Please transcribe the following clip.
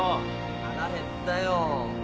腹減ったよ！